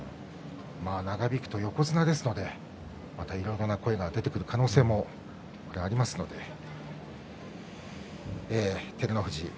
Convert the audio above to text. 長引くと横綱ですのでまたいろいろな声が出てくる可能性もありますので照ノ富士